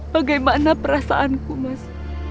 bagaimana perasaanku mas